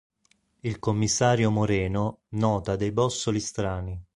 Il commissario Moreno nota dei bossoli strani.